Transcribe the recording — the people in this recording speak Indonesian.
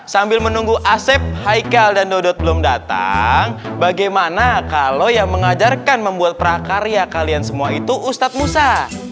sambil menunggu asep haikal dan dodot belum datang bagaimana kalau yang mengajarkan membuat prakarya kalian semua itu ustadz musa